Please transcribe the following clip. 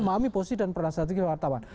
kami posisi dan perasaan sekitar wartawan